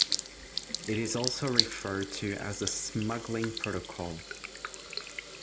It is also referred to as the Smuggling Protocol.